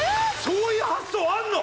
そういう発想あるの？